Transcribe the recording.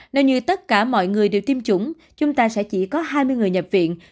nếu như tất cả mọi người đều tiêm chủng chúng ta sẽ chỉ có hai mươi người nhập viện